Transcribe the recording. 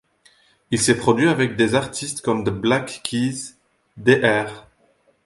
Il s'est produit avec des artistes comme The Black Keys, Dr.